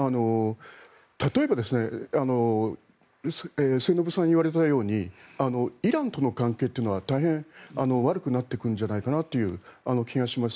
例えば末延さんが言われたようにイランとの関係というのは大変悪くなってくるんじゃないかという気がします。